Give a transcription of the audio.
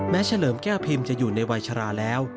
เฉลิมแก้วพิมพ์จะอยู่ในวัยชราแล้ว